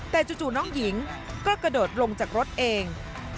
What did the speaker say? แต่จู่น้องหญิงก็กระโดดลงจากรถเอง